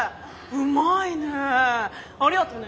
うまいね。